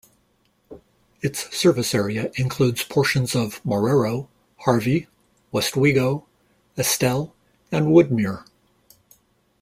Its service area includes portions of Marrero, Harvey, Westwego, Estelle, and Woodmere.